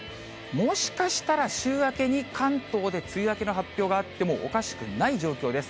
もしかしたら週明けに関東で梅雨明けの発表があってもおかしくない状況です。